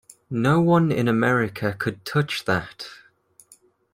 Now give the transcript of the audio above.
No one in America could touch that.